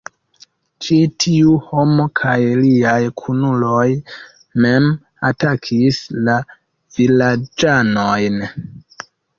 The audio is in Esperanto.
Ĉi tiu homo kaj liaj kunuloj mem atakis la vilaĝanojn.